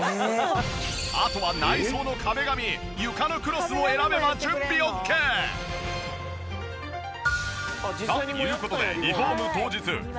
あとは内装の壁紙床のクロスを選べば準備オッケー！という事でリフォーム当日。